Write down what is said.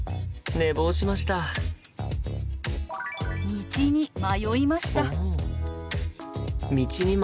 道に迷いました。